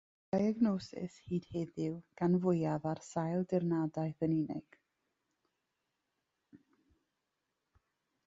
Mae diagnosis, hyd heddiw, gan fwyaf ar sail dirnadaeth yn unig.